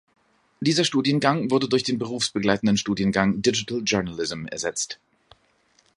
Dieser Studiengang wurde durch den berufsbegleitenden Studiengang "Digital Journalism" ersetzt.